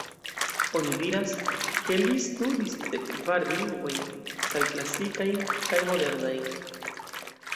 Oni diras ke li studis dek kvar lingvojn, kaj klasikajn kaj modernajn.